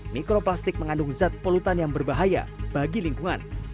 mikroplastik mengandung zat polutan yang berbahaya bagi lingkungan